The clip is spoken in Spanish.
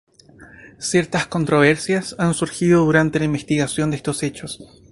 Ciertas controversias han surgido durante la investigación de estos hechos.